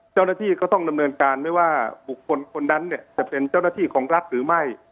เจ้าหน้าที่ก็ต้องดำเนินการไม่ว่าบุคคลคนนั้นเนี่ยจะเป็นเจ้าหน้าที่ของรัฐหรือไม่